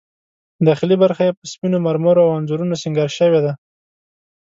داخلي برخه یې په سپینو مرمرو او انځورونو سینګار شوې ده.